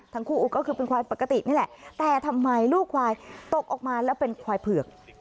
ทั้งคู่ก็คือเป็นควายปกตินี่แหละแต่ทำไมลูกควายตกออกมาแล้วเป็นควายเผือก